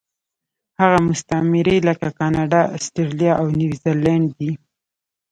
هغه مستعمرې لکه کاناډا، اسټرالیا او نیوزیلینډ دي.